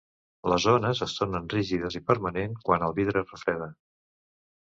Les ones es tornen rígides i permanent quan el vidre es refreda.